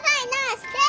して！